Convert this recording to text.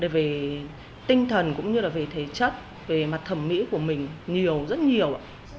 về tinh thần cũng như là về thể chất về mặt thẩm mỹ của mình nhiều rất nhiều ạ